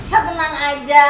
ya tenang aja